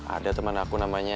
ada temen aku namanya